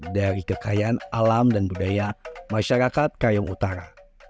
dari kekayaan alam dan budaya masyarakat kayong utara